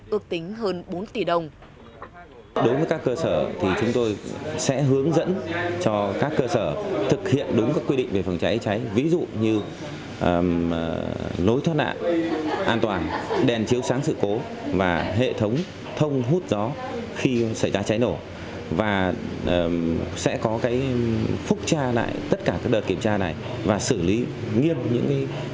ước tính hơn bốn tỷ đồng